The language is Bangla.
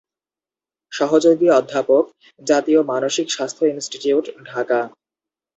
সহযোগী অধ্যাপক, জাতীয় মানসিক স্বাস্থ্য ইনস্টিটিউট, ঢাকা।